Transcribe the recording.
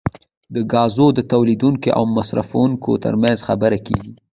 د ګازو د تولیدونکو او مصرفونکو ترمنځ خبرې کیږي